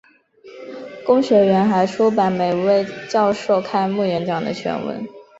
公学院还出版每位教授开幕演讲的全文。